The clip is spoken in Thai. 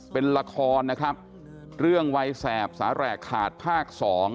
เป็นละครนะครับเรื่องวัยแสบสาแหลกขาดภาค๒